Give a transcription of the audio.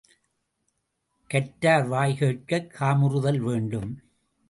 கற்றார் வாய் கேட்கக் காமுறுதல் வேண்டும்.